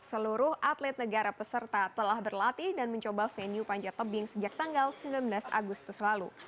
seluruh atlet negara peserta telah berlatih dan mencoba venue panjat tebing sejak tanggal sembilan belas agustus lalu